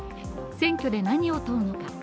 選挙で何を問うのか。